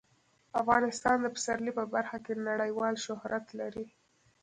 افغانستان د پسرلی په برخه کې نړیوال شهرت لري.